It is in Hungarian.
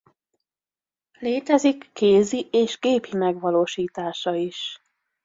Létezik kézi és gépi megvalósítása is.